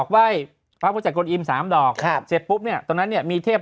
ว่าวิศจกอณอิมสามดอกเสร็จปุ๊บเนี้ยตอนนั้นเนี้ยมีเทภ